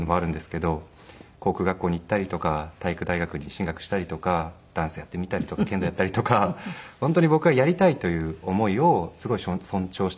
航空学校に行ったりとか体育大学に進学したりとかダンスやってみたりとか剣道やったりとか本当に僕がやりたいという思いをすごい尊重してくれて。